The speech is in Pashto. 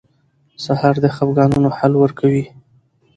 سهار د خفګانونو حل ورکوي.